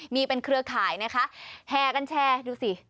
มีเป็นเครือข่ายนะคะแห่กันแชร์ดูสิ